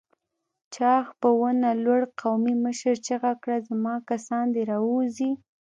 چاغ په ونه لوړ قومي مشر چيغه کړه! زما کسان دې راووځي!